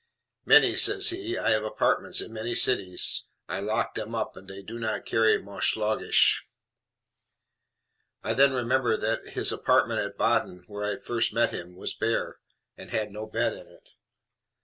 "Many," says he. "I have apartments in many cities. I lock dem up, and do not carry mosh logish." I then remembered that his apartment at Baden, where I first met him, was bare, and had no bed in it.